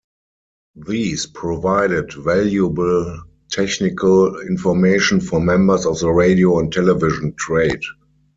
These provided valuable technical information for members of the radio and television trade.